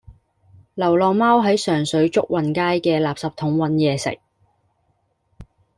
流浪貓喺上水祝運街嘅垃圾桶搵野食